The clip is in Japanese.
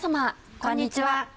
こんにちは。